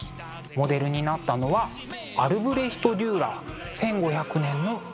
モデルになったのはアルブレヒト・デューラー「１５００年の自画像」。